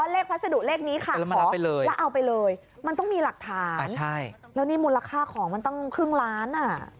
พัสดุเลขนี้ค่ะขอไปเลยแล้วเอาไปเลยมันต้องมีหลักฐานแล้วนี่มูลค่าของมันต้องครึ่งล้านอ่ะ